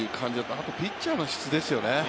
あとピッチャーの質ですよね。